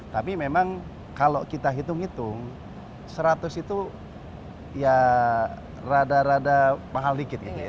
tapi memang kalau kita hitung hitung seratus itu ya rada rada mahal sedikit